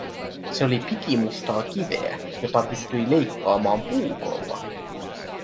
Se oli pikimustaa kiveä, jota pystyi leikkaamaan puukolla.